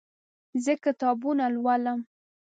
زه کتابونه لولم